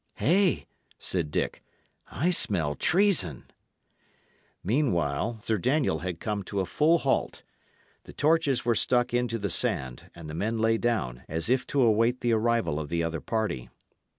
"Hey," said Dick, "I smell treason." Meanwhile, Sir Daniel had come to a full halt. The torches were stuck into the sand, and the men lay down, as if to await the arrival of the other party.